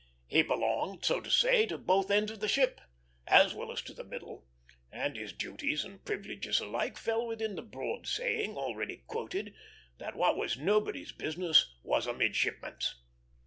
He belonged, so to say, to both ends of the ship, as well as to the middle, and his duties and privileges alike fell within the broad saying, already quoted, that what was nobody's business was a midshipman's.